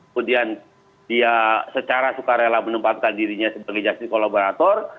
kemudian dia secara sukarela menempatkan dirinya sebagai justice kolaborator